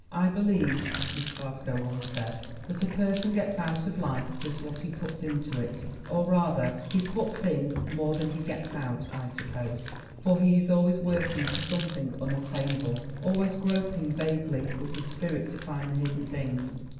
"I believe," Miss Glasgow once said, "that a per son gets out of life just what he puts into it or rather he puts in more than he gets out, I suppose; for he is always working for something unattainable; always groping vaguely with his spirit to find the hidden things.